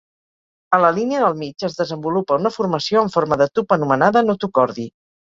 A la línia del mig es desenvolupa una formació en forma de tub anomenada notocordi.